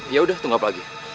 ya udah tunggu lagi